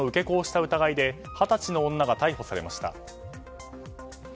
子をした疑いで二十歳の女が逮捕されました。